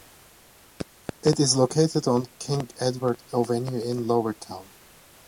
It is located on King Edward Avenue in Lower Town.